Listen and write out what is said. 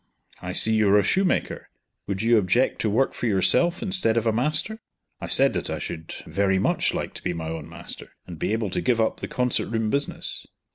I see you are a shoemaker. Would you object to work for yourself instead of a master?" I said that I should very much like to be my own master, and be able to give up the concert room business.